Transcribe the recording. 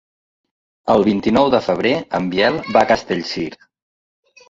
El vint-i-nou de febrer en Biel va a Castellcir.